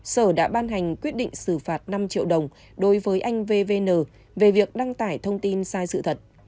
sở đã ban hành quyết định xử phạt năm triệu đồng đối với anh vvn về việc đăng tải thông tin sai sự thật